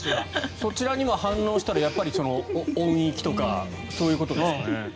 そちらにも反応したら音域とかそういうことですかね。